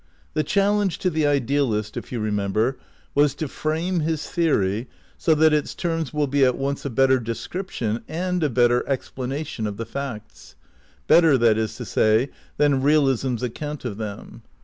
The challenge to the idealist, if you remember, was to frame his theory so that its terms mil be at once a better description and a better explanation of the facts; better that is to say, than realism's account of them.